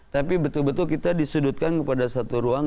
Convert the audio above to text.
tapi betul betul kita disudutkan kepada satu ruang